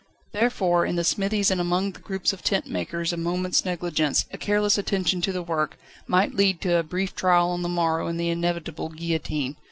Therefore in the smithies and among the groups of tent makers a moment's negligence, a careless attention to the work, might lead to a brief trial on the morrow and the inevitable guillotine.